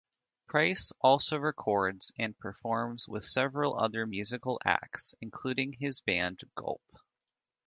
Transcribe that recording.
Pryce also records and performs with several other musical acts including his band Gulp.